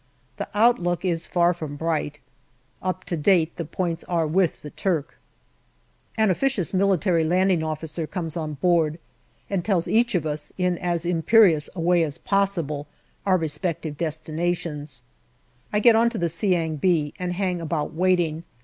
The outlook is far from bright. Up to date the points are with the Turk. An officious M.L.O. comes on board, and tells each of us in as imperious a way as possible our respective destinations. I get on to the Seeang Bee, and hang about waiting.